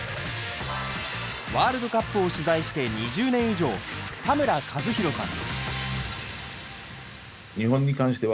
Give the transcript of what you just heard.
ワールドカップを取材して２０年以上田村一博さん。